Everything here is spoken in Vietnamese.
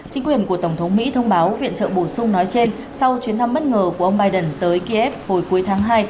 chính quyền của tổng thống mỹ thông báo viện trợ bổ sung nói trên sau chuyến thăm bất ngờ của ông biden tới kiev hồi cuối tháng hai